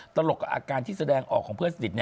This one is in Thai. ตลกกับอาการที่แสดงออกของเพื่อนสนิท